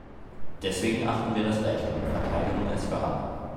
Deswegen achten wir das Recht und verteidigen es für alle.